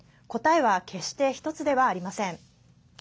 答えは決して１つではありません。